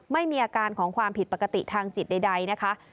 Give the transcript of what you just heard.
ไม่มีอาการของความผิดปกติทางจิตใดนะคะ